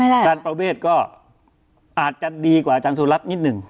อาจารย์ประเวทก็อาจจะดีกว่าอาจารย์สุรัตน์นิดหนึ่ง